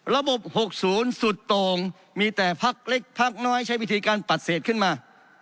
ระบบ๖๐สุดโต่งมีแต่พักเล็กพักน้อยใช้วิธีการปัดเศษขึ้นมา